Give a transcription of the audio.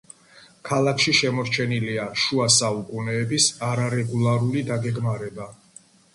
ქალაქში შემორჩენილია შუა საუკუნეების არარეგულარული დაგეგმარება.